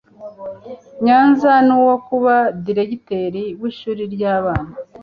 Nyanza n uwo kuba diregiteri w ishuri ry abana